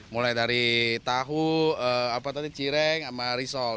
mulai dari tahu apa tadi cireng sama risol